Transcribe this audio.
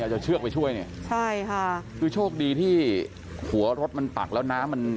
จะเชือกไปช่วยเนี่ยใช่ค่ะคือโชคดีที่หัวรถมันปักแล้วน้ำมัน